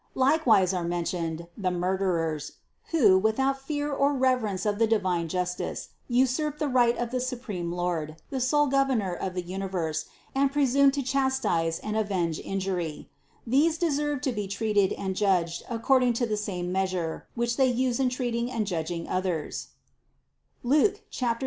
Likewise are mentioned "the murderers," who, without fear or reverence for the divine justice, usurp the right of the supreme Lord, the sole Governor of the universe, and presume to chastise and avenge injury; these deserve to be treated and judged according to the same measure, which they use in treating and judging others (Luke 6, 38).